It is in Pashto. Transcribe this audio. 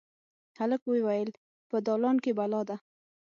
هلک ویې ویل: «په دالان کې بلا ده.»